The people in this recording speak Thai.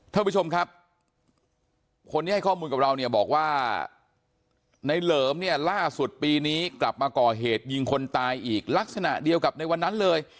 ท่านผู้ชมครับคนที่ให้ข้อมูลกับเราเนี่ยบอกว่าในเหลิมเนี่ยล่าสุดปีนี้กลับมาก่อเหตุยิงคนตายอีกลักษณะเดียวกับในวันนั้นเลย